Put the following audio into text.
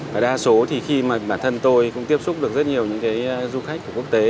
và đa số thì khi mà bản thân tôi cũng tiếp xúc được rất nhiều những du khách của quốc tế